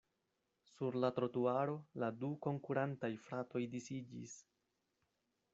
Sur la trotuaro la du konkurantaj fratoj disiĝis.